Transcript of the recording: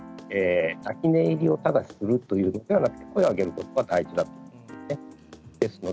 泣き寝入りをただするというのではなくて声を上げることが大事だと思います。